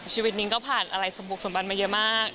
นิ้งก็ผ่านอะไรสมบุกสมบัติมาเยอะมาก